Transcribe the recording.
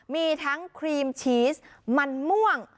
มีทั้งครีมชีสมันม่วง